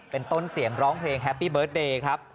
เป็นต้นเสียงร้องเพลงแฮปปี้เบิร์ตเดย์ครับ